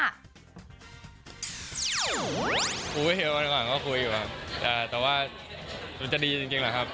กูเฮียวันก่อนก็คุยอยู่ค่ะแต่ว่ามันจะดีจริงหรอครับ